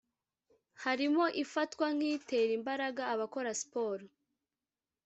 harimo ifatwa nk’itera imbaraga abakora siporo